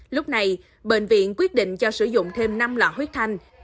lúc này bệnh viện quyết định cho sử dụng thêm năm lọ huyết thanh